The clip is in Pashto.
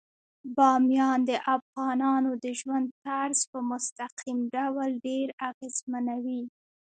بامیان د افغانانو د ژوند طرز په مستقیم ډول ډیر اغېزمنوي.